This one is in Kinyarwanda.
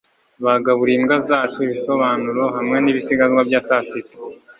bagaburiye imbwa zacu ibisobanuro hamwe nibisigazwa bya sasita